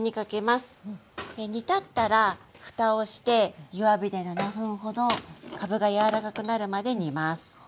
煮立ったら蓋をして弱火で７分ほどかぶが柔らかくなるまで煮ます。